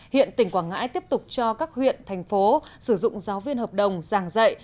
hiện tỉnh quảng ngãi tiếp tục cho các huyện thành phố sử dụng giáo viên hợp đồng giảng dạy